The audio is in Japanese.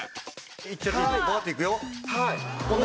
いっちゃっていいの？